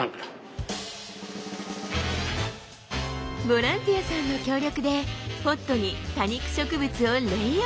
ボランティアさんの協力でポットに多肉植物をレイアウト。